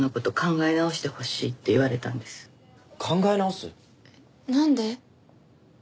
えっなんで？